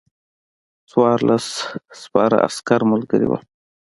څوارلس سپاره عسکر ملګري ول.